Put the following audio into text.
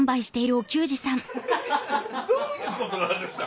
どういうことなんですか？